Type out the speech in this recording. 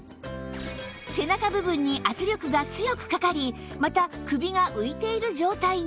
背中部分に圧力が強くかかりまた首が浮いている状態に